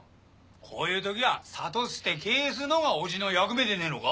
こういう時は諭してけえすのがおじの役目でねえのが？